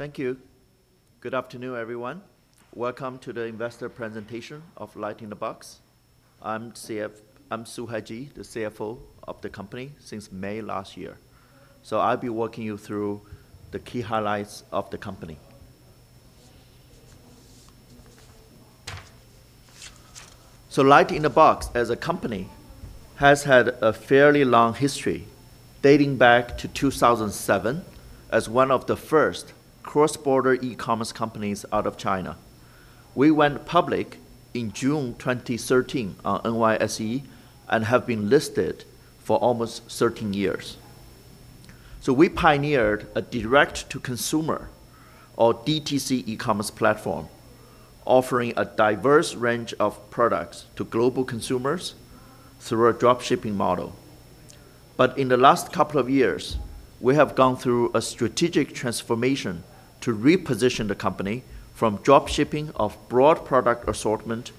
Thank you. Good afternoon, everyone. Welcome to the investor presentation of LightInTheBox. I'm Suhai Ji, the CFO of the company since May last year. I'll be walking you through the key highlights of the company. LightInTheBox as a company has had a fairly long history dating back to 2007 as one of the first cross-border e-commerce companies out of China. We went public in June 2013 on NYSE and have been listed for almost 13 years. We pioneered a direct-to-consumer or DTC e-commerce platform, offering a diverse range of products to global consumers through a drop-shipping model. In the last couple of years, we have gone through a strategic transformation to reposition the company from drop-shipping of broad product assortment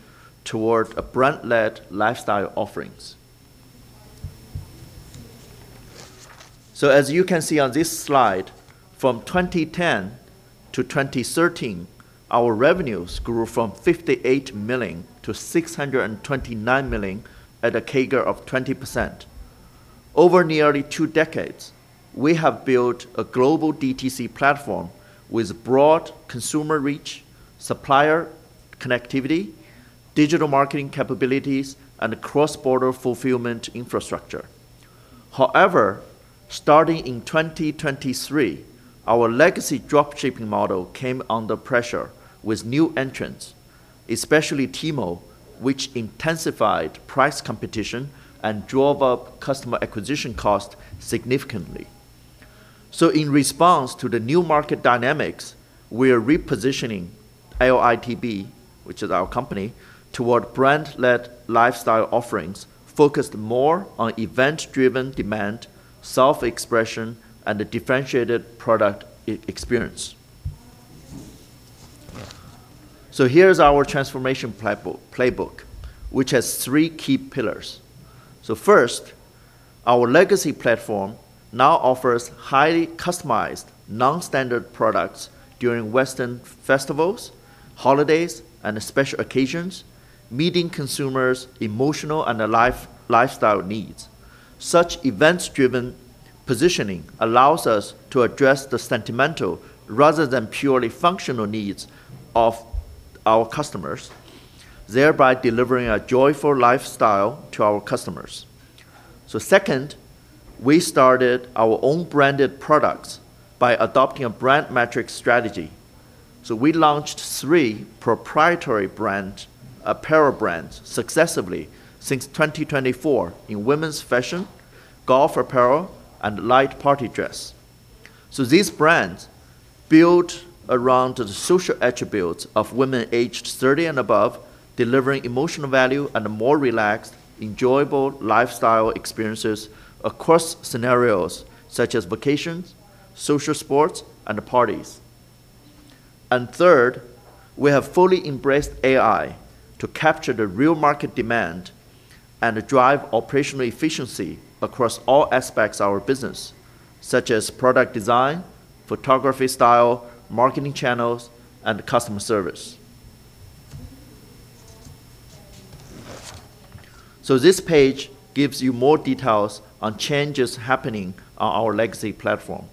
toward a brand-led lifestyle offerings. As you can see on this slide, from 2010 to 2013, our revenues grew from $58 million to $629 million at a CAGR of 20%. Over nearly two decades, we have built a global DTC platform with broad consumer reach, supplier connectivity, digital marketing capabilities, and cross-border fulfillment infrastructure. Starting in 2023, our legacy drop shipping model came under pressure with new entrants, especially Temu, which intensified price competition and drove up customer acquisition cost significantly. In response to the new market dynamics, we are repositioning LITB, which is our company, toward brand-led lifestyle offerings focused more on event-driven demand, self-expression, and a differentiated product e-experience. Here's our transformation playbook, which has three key pillars. First, our legacy platform now offers highly customized non-standard products during Western festivals, holidays, and special occasions, meeting consumers' emotional and a lifestyle needs. Such events-driven positioning allows us to address the sentimental rather than purely functional needs of our customers, thereby delivering a joyful lifestyle to our customers. Second, we started our own branded products by adopting a brand matrix strategy. We launched three proprietary apparel brands successively since 2024 in women's fashion, golf apparel, and light party dress. These brands built around the social attributes of women aged 30 and above, delivering emotional value and a more relaxed, enjoyable lifestyle experiences across scenarios such as vacations, social sports, and parties. Third, we have fully embraced AI to capture the real market demand and drive operational efficiency across all aspects of our business, such as product design, photography style, marketing channels, and customer service. This page gives you more details on changes happening on our legacy platform.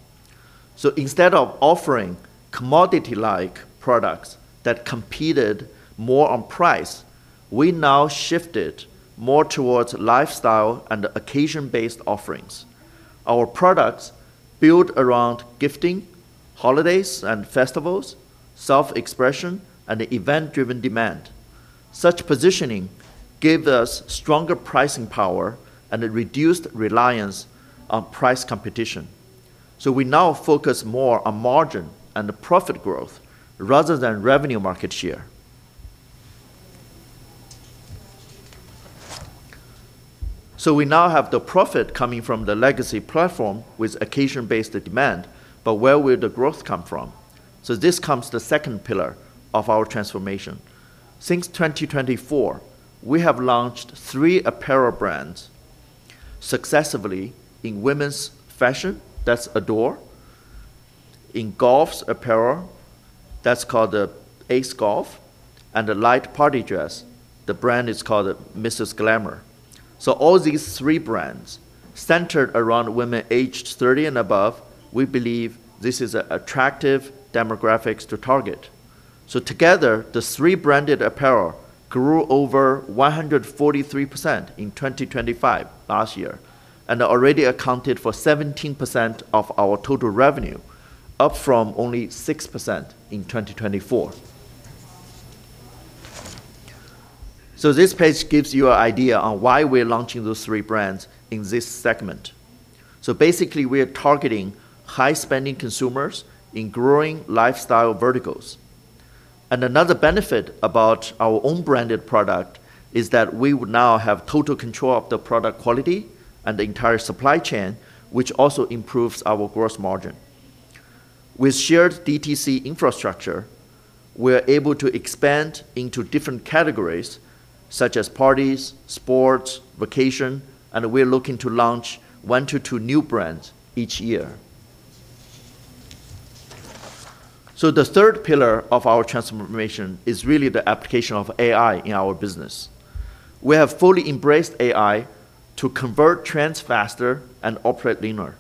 Instead of offering commodity-like products that competed more on price, we now shifted more towards lifestyle and occasion-based offerings. Our products build around gifting, holidays and festivals, self-expression, and event-driven demand. Such positioning gave us stronger pricing power and a reduced reliance on price competition. We now focus more on margin and profit growth rather than revenue market share. We now have the profit coming from the legacy platform with occasion-based demand, where will the growth come from? This comes the second pillar of our transformation. Since 2024, we have launched three apparel brands successively in women's fashion, that's Ador, in golf's apparel, that's called the Ace Golf, and a light party dress, the brand is called Mrs. Glamour. All these three brands centered around women aged 30 and above. We believe this is a attractive demographics to target. Together, the three branded apparel grew over 143% in 2025 last year and already accounted for 17% of our total revenue, up from only 6% in 2024. This page gives you an idea on why we're launching those three brands in this segment. Basically, we're targeting high-spending consumers in growing lifestyle verticals. Another benefit about our own branded product is that we would now have total control of the product quality and the entire supply chain, which also improves our gross margin. With shared DTC infrastructure, we are able to expand into different categories such as parties, sports, vacation, and we are looking to launch one-to-two new brands each year. The third pillar of our transformation is really the application of AI in our business. We have fully embraced AI to convert trends faster and operate leaner.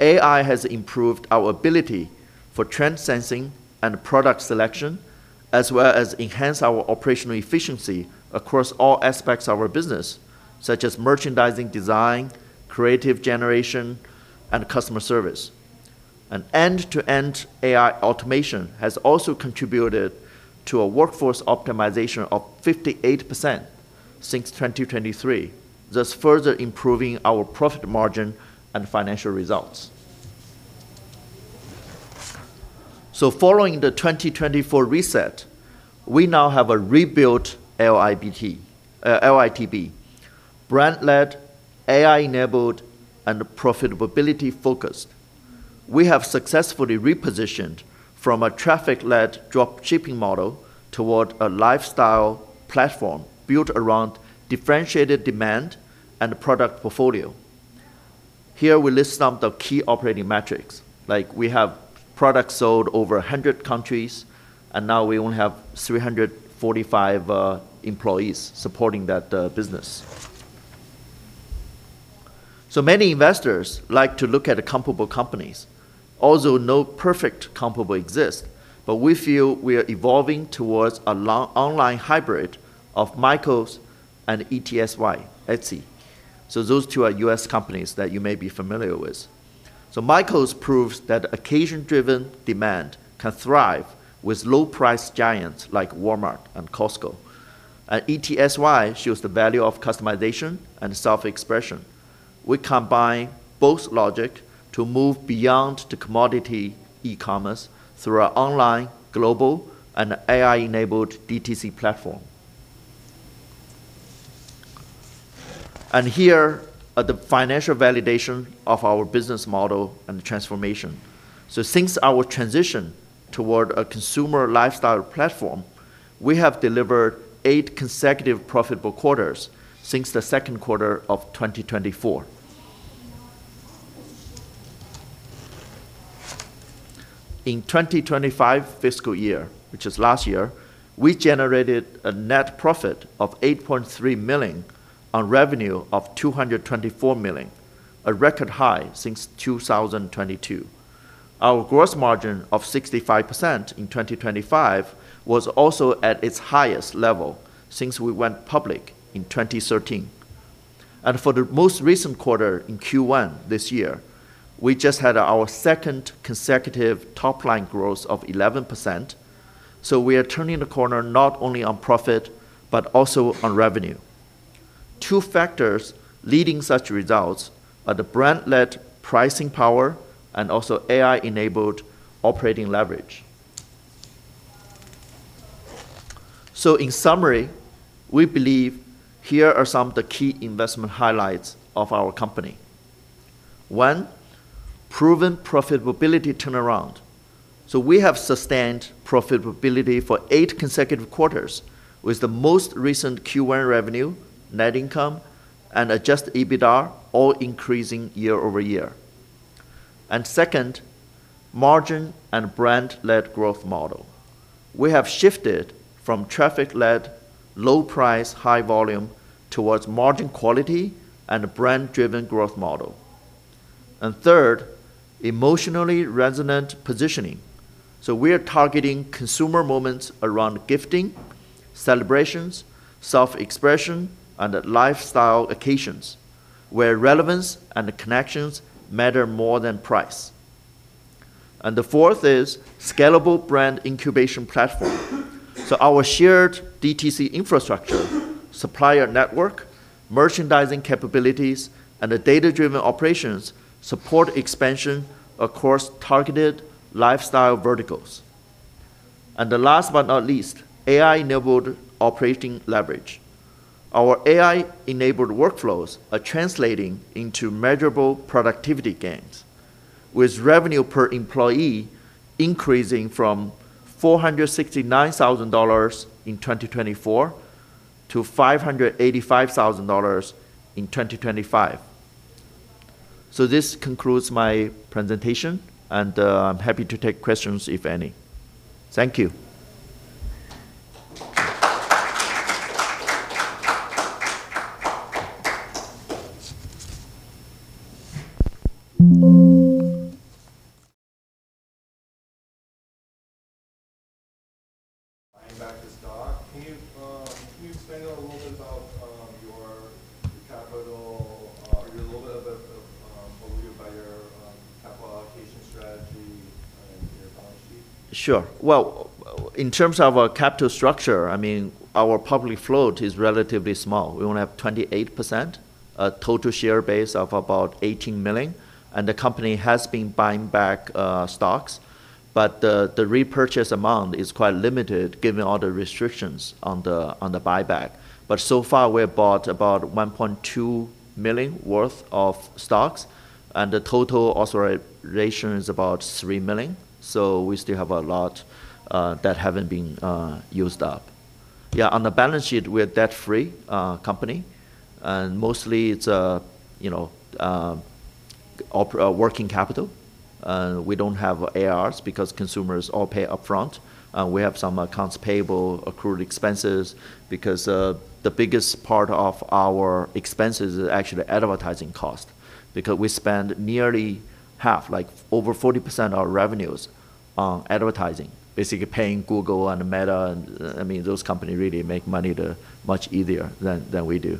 AI has improved our ability for trend sensing and product selection, as well as enhance our operational efficiency across all aspects of our business, such as merchandising design, creative generation, and customer service. An end-to-end AI automation has also contributed to a workforce optimization of 58% since 2023, thus further improving our profit margin and financial results. Following the 2024 reset, we now have a rebuilt LITB, brand-led, AI-enabled, and profitability-focused. We have successfully repositioned from a traffic-led drop shipping model toward a lifestyle platform built around differentiated demand and product portfolio. Here we list some of the key operating metrics. We have products sold over 100 countries, and now we only have 345 employees supporting that business. Many investors like to look at comparable companies, although no perfect comparable exists. We feel we are evolving towards an online hybrid of Michaels and Etsy. Those two are U.S. companies that you may be familiar with. Michaels proves that occasion-driven demand can thrive with low-price giants like Walmart and Costco. Etsy shows the value of customization and self-expression. We combine both logic to move beyond the commodity e-commerce through our online, global, and AI-enabled DTC platform. Here are the financial validation of our business model and transformation. Since our transition toward a consumer lifestyle platform, we have delivered eight consecutive profitable quarters since the second quarter of 2024. In 2025 fiscal year, which is last year, we generated a net profit of $8.3 million on revenue of $224 million, a record high since 2022. Our gross margin of 65% in 2025 was also at its highest level since we went public in 2013. For the most recent quarter in Q1 this year, we just had our second consecutive top-line growth of 11%. We are turning the corner not only on profit, but also on revenue. Two factors leading such results are the brand-led pricing power and also AI-enabled operating leverage. In summary, we believe here are some of the key investment highlights of our company. One, proven profitability turnaround. We have sustained profitability for eight consecutive quarters, with the most recent Q1 revenue, net income, and Adjusted EBITDA all increasing year-over-year. Second, margin and brand-led growth model. We have shifted from traffic-led, low price, high volume towards margin quality and a brand-driven growth model. Third, emotionally resonant positioning. We are targeting consumer moments around gifting, celebrations, self-expression, and lifestyle occasions where relevance and connections matter more than price. The fourth is scalable brand incubation platform. Our shared DTC infrastructure, supplier network, merchandising capabilities, and the data-driven operations support expansion across targeted lifestyle verticals. Last but not least, AI-enabled operating leverage. Our AI-enabled workflows are translating into measurable productivity gains, with revenue per employee increasing from $469,000 in 2024 to $585,000 in 2025. This concludes my presentation, and I'm happy to take questions, if any. Thank you. Buying back the stock. Can you explain a little bit about your capital, give a little bit of overview about your capital allocation strategy and your balance sheet? Sure. Well, in terms of our capital structure, I mean, our public float is relatively small. We only have 28%, a total share base of about 18 million, and the company has been buying back stocks. The repurchase amount is quite limited given all the restrictions on the buyback. So far, we have bought about $1.2 million worth of stocks, and the total authorization is about $3 million. On the balance sheet, we are debt-free company. Mostly it's, you know, working capital. We don't have ARs because consumers all pay upfront. We have some accounts payable, accrued expenses, because the biggest part of our expenses is actually advertising cost. We spend nearly half, like over 40% of revenues on advertising, basically paying Google and Meta, I mean, those company really make money to much easier than we do.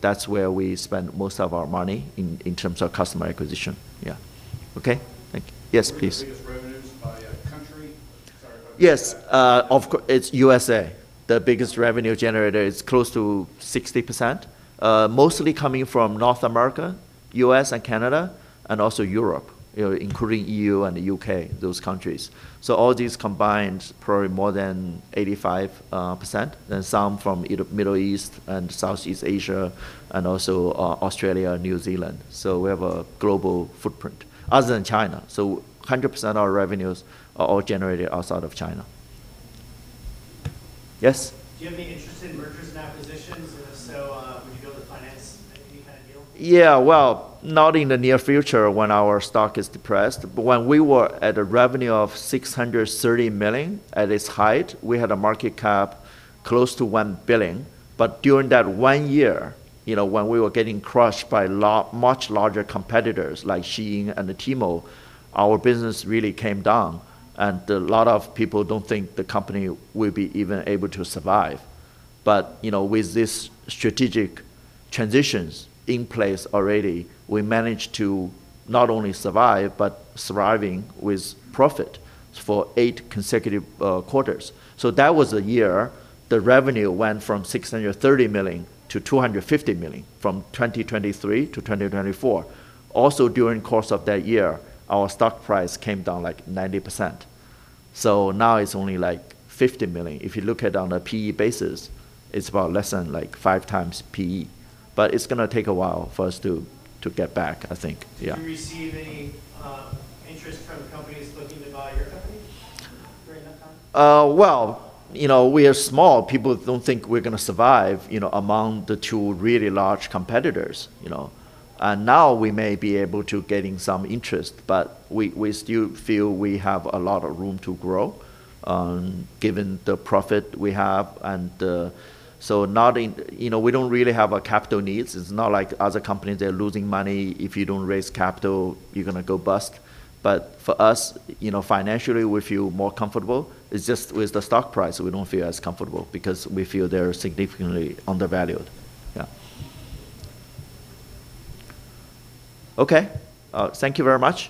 That's where we spend most of our money in terms of customer acquisition. Yeah. Okay. Thank you. Yes, please. What are your biggest revenues by country? Sorry about that. Yes. It's U.S.A. The biggest revenue generator is close to 60%, mostly coming from North America, U.S. and Canada, and also Europe, you know, including EU and U.K., those countries. All these combined, probably more than 85%. Some from Middle East and Southeast Asia, and also Australia and New Zealand. We have a global footprint, other than China. 100% of our revenues are all generated outside of China. Yes? Do you have any interest in mergers and acquisitions? Would you go to the finance and any kind of deal? Well, not in the near future when our stock is depressed. When we were at a revenue of $630 million at its height, we had a market cap close to $1 billion. During that one year, you know, when we were getting crushed by much larger competitors like Shein and Temu, our business really came down, and a lot of people don't think the company will be even able to survive. You know, with this strategic transitions in place already, we managed to not only survive, but surviving with profit for eight consecutive quarters. That was a year the revenue went from $630 million to $250 million, from 2023 to 2024. Also, during course of that year, our stock price came down like 90%. Now it's only like $50 million. If you look at on a PE basis, it's about less than like 5x PE. It's gonna take a while for us to get back, I think. Yeah. Did you receive any interest from companies looking to buy your company during that time? Well, you know, we are small. People don't think we're gonna survive, you know, among the two really large competitors, you know. Now we may be able to getting some interest, but we still feel we have a lot of room to grow, given the profit we have and You know, we don't really have a capital needs. It's not like other companies, they're losing money. If you don't raise capital, you're gonna go bust. For us, you know, financially, we feel more comfortable. It's just with the stock price, we don't feel as comfortable because we feel they're significantly undervalued. Yeah. Okay. Thank you very much.